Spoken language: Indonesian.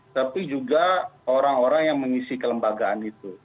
tapi juga orang orang yang mengisi kelembagaan itu